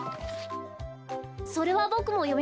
それはボクもよみました。